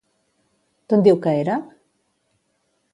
D'on diu que era?